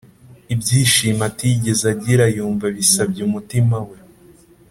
ibyishimo atigeze agira yumva bisabye umutima we